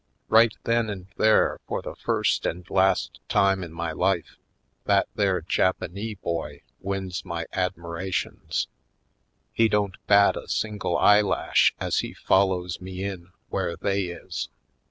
Right then and there for the first and last time in my life, that there Japanee boy wins my admirations. He don't bat a single eye lash as he follows me in where they is.